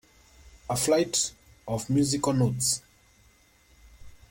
A flight of musical notes.